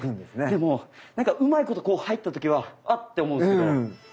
でもうまいこと入った時はあっ！って思うんですけど。